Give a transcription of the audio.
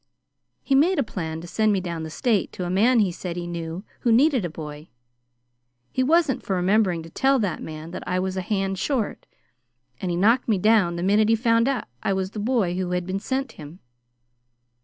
He made a plan to send me down the State to a man he said he knew who needed a boy. He wasn't for remembering to tell that man that I was a hand short, and he knocked me down the minute he found I was the boy who had been sent him.